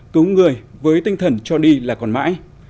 cứu người với tinh thần cho đi là còn mãi